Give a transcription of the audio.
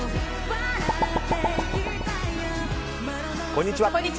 こんにちは。